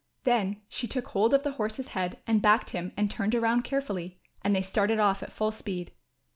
Then she took hold of the horse's head, and backed him and turned around carefully, and they started off at full speed.